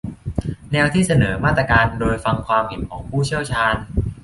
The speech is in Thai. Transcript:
แนวที่เสนอมาตรการโดยฟังความเห็นของผู้เชี่ยวชาญ